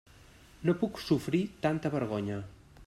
No puc sofrir tanta vergonya.